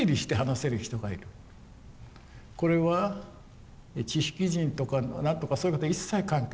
これは知識人とか何とかそういうことは一切関係ない。